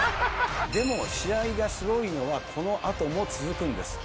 でも試合がすごいのはこの後も続くんです。